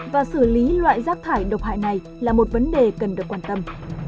và xử lý loại rác thải độc hại này là một vấn đề cần được quan tâm